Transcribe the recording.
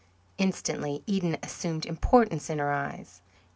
Instantly Eden assumed importance in her eyes.